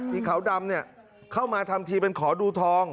ขาวดำเนี่ยเข้ามาทำทีเป็นขอดูทอง